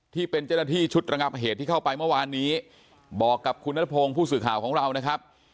ที่เป็นเจ้าหน้าที่ชุดระงับเหตุที่เข้าไปเมื่อวานนี้บอกกับคุณนัทพงศ์ผู้สื่อข่าวของเรานะครับ